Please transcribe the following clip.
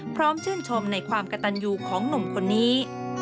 พร้อมชื่นชมในความกระตันอยู่ของหนุ่มคนนี้